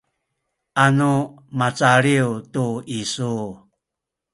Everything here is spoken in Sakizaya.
anu macaliw tu isu